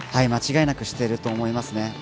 間違いなくしていると思いますね。